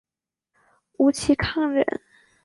吴其沆人。